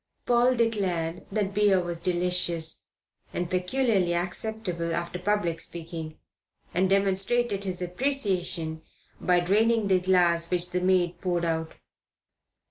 Paul declared that beer was delicious and peculiarly acceptable after public speaking, and demonstrated his appreciation by draining the glass which the maid poured out.